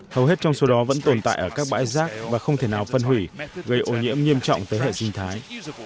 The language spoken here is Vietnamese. hầu hết trong số đó vẫn tồn tại ở các bãi rác và không thể nào phân hủy gây ô nhiễm nghiêm trọng tới hệ sinh thái